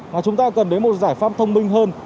và chúng ta cần đến một giải pháp thông minh hơn